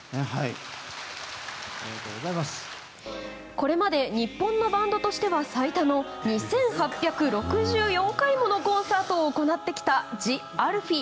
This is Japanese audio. これまで日本のバンドとしては最多の２８６４回ものコンサートを行ってきたＴＨＥＡＬＦＥＥ。